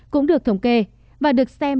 cũng được thống kê và được xem